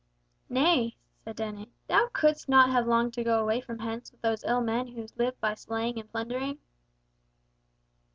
"Nay," said Dennet, "thou couldst not have longed to go away from hence with those ill men who live by slaying and plundering?"